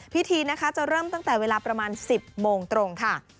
พิธีนะคะจะเริ่มตั้งแต่เวลาประมาณ๑๐โมงตรงค่ะ